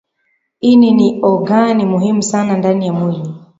ini ni ogani muhimu sana ndani ya mwili